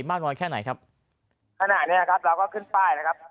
มากน้อยแค่ไหนครับขณะเนี้ยนะครับเราก็ขึ้นป้ายนะครับ